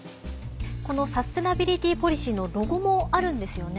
このサステナビリティポリシーのロゴもあるんですよね。